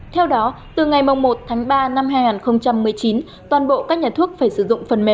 theo đó từ ngày một tháng ba năm hai nghìn một mươi chín toàn bộ các nhà thuốc phải sử dụng phần mềm